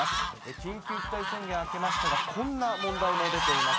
緊急事態宣言明けましたが、こんな問題も出ています。